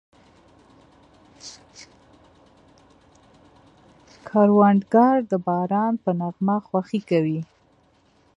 کروندګر د باران په نغمه خوښي کوي